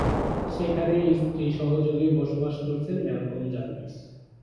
সেখানেই স্ত্রী সহযোগে বসবাস করছেন ম্যালকম জার্ভিস।